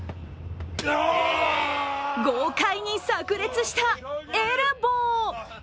豪快にさく裂したエルボー。